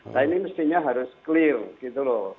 nah ini mestinya harus clear gitu loh